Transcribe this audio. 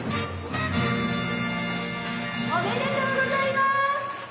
おめでとうございます。